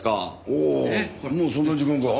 おおもうそんな時間か？